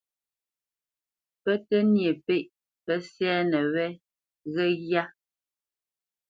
Pə́ tə́ nyê pêʼ pə́ sɛ́nə wé ghə́ghyá.